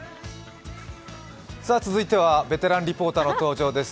続いてはベテランリポーターの登場です。